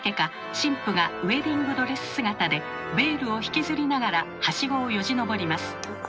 新婦がウエディングドレス姿でベールを引きずりながらハシゴをよじ登ります。